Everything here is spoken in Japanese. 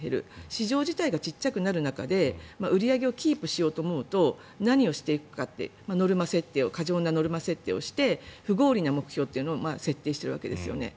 市場自体が小さくなる中で売り上げをキープしようと思うと何をしていくかって過剰なノルマ設定をして不合理な目標を設定しているわけですよね。